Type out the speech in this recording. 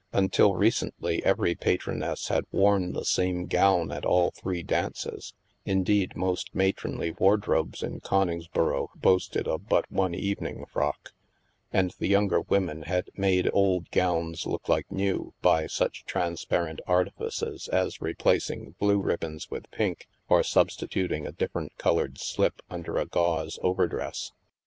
Until recently, every patroness had worn the same gown at all three dances (indeed, most matronly wardrobes in Coningsboro boasted of but one even ing frock), and the younger women had made old gowns look like new by such transparent artifices as replacing blue ribbons with pink or substituting a different colored "slip" under a gauze overdress.